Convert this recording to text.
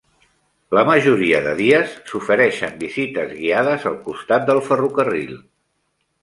La majoria de dies s'ofereixen visites guiades al costat del ferrocarril.